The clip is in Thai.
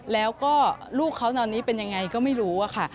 แล้วก็ลูกเขาตอนนี้เป็นยังไงก็ไม่รู้อะค่ะ